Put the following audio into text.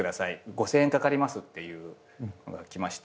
５，０００円かかりますっていうのが来まして。